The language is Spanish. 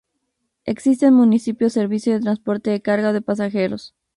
Existe en el municipio servicio de transporte de carga o de pasajeros.